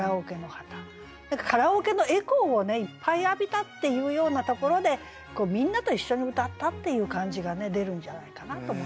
何かカラオケのエコーをいっぱい浴びたっていうようなところでみんなと一緒に歌ったっていう感じが出るんじゃないかなと思いますね。